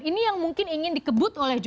ini yang mungkin ingin dikebut oleh jokowi